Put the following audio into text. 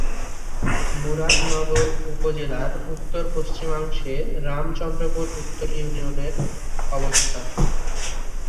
মুরাদনগর উপজেলার উত্তর-পশ্চিমাংশে রামচন্দ্রপুর উত্তর ইউনিয়নের অবস্থান।